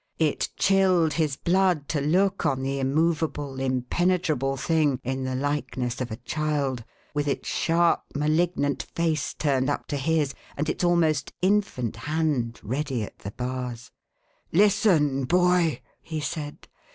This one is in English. It chilled his blood to look on the immovable impenetrable thing, in the likeness of a child, with its sharp malignant face turned up to his, and its almost infant hand, ready at the bars. " Listen, boy !" he said.